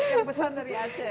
yang pesan dari aceh